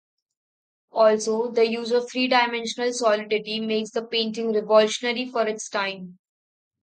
Also, the use of three-dimensional solidity makes the painting revolutionary for its time.